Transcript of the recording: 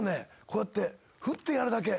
こうやって振ってやるだけ。